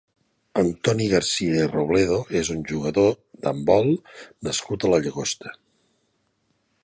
Antoni Garcia i Robledo és un jugador d'handbol nascut a la Llagosta.